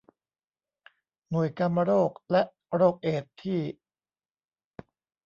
หน่วยกามโรคและโรคเอดส์ที่